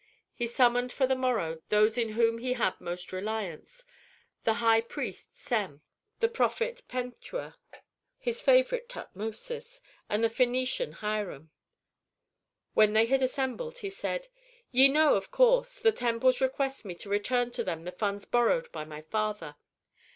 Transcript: He summoned for the morrow those in whom he had most reliance: the high priest Sem, the prophet Pentuer, his favorite Tutmosis, and the Phœnician Hiram. When they had assembled he said, "Ye know, of course, the temples request me to return to them the funds borrowed by my father.